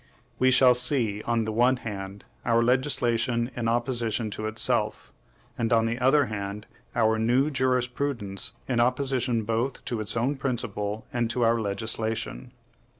We shall see, on the one hand, our legislation in opposition to itself; and, on the other hand, our new jurisprudence in opposition both to its own principle and to our legislation.